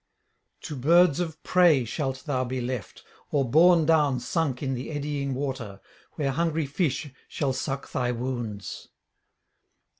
To birds of prey shalt thou be left, or borne down sunk in the eddying water, where hungry fish shall suck thy wounds.'